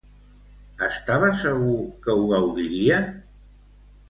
Estava segur que ho gaudirien?